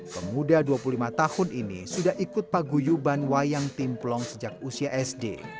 pemuda dua puluh lima tahun ini sudah ikut paguyuban wayang timplong sejak usia sd